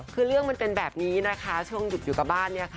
คือเรื่องมันเป็นแบบนี้นะคะช่วงหยุดอยู่กับบ้านเนี่ยค่ะ